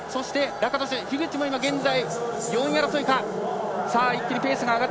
樋口も４位争いか。